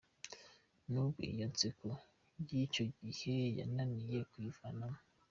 N’ubu iyo nseko y’icyo gihe yananiye kuyivanamo.